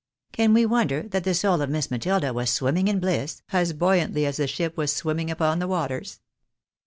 Can we won der that the soul of Miss Matilda was swimming in bliss, as buoy antly as the ship was swimming upon the waters